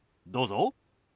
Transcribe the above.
どうぞ。